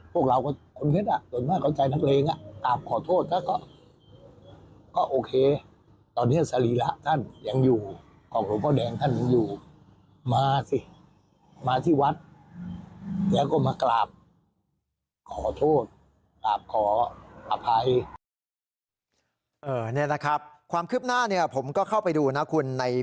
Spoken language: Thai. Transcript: พวกเราก็ขนเพ็จอ่ะ